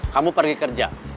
kamu pergi kerja